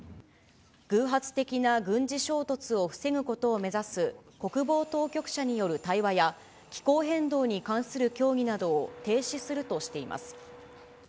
偶発的な軍事衝突を防ぐことを目指す国防当局者による対話や、気候変動に関する協議などを停止するとしています。